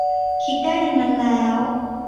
คิดได้ดังนั้นแล้ว